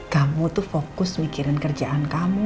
kamu tuh fokus mikirin kerjaan kamu